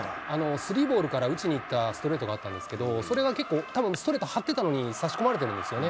スリーボールから打ちにいったストレートがあったんですけれども、それが結構、たぶんストレートはってたのに、差し込まれてるんですよね。